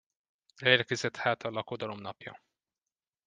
Elérkezett hát a lakodalom napja.